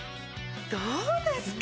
どうですか？